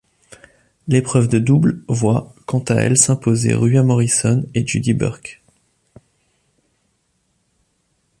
L'épreuve de double voit quant à elle s'imposer Ruia Morrison et Judy Burke.